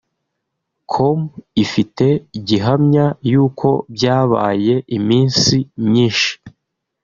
com ifite gihamya y’uko byabaye iminsi myinshi